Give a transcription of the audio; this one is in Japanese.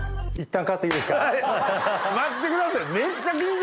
待ってください。